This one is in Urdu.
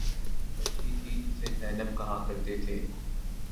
بچی تھی جسے زینب کہا کرتے تھے